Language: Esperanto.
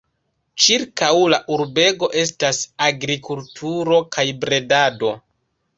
Ĉirkaŭ la urbego estas agrikulturo kaj bredado.